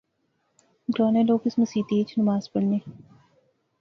گراں نے لوک اس مسیتی اچ نماز پڑھنے